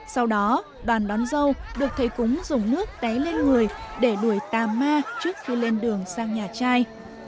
sau đó đoàn đón dâu được thầy cúng dùng nước đáy lên người để đuổi tà ma trước khi lên đường sang nhà trai